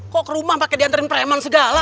kok ke rumah pakai diantriin prema